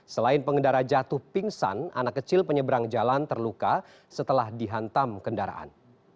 selain pengendara jatuh pingsan anak kecil penyeberang jalan terluka setelah dihantam kendaraan